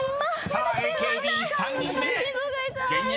［さあＡＫＢ３人目現役